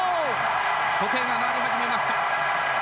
時計が回り始めました。